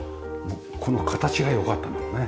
この形が良かったんだろうね。